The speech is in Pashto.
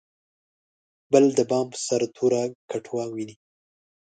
بل د بام په سر توره کټوه ویني.